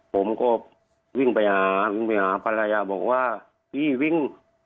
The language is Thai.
ผมก็วิ่งไปหาพรรยาบอกว่าพี่วิ่ง